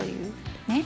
ねっ！